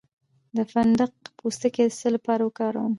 د فندق پوستکی د څه لپاره وکاروم؟